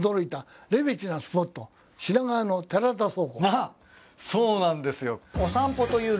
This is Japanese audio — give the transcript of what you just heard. あっそうなんですよ。